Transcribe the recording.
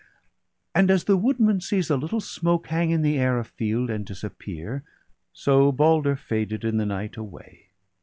And as the woodman sees a little smoke Hang in the air, afield, and disappear. So Balder faded in the night av/ay.